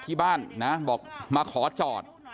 ที่บ้านนะบอกมาขอจอด